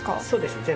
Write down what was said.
そうです。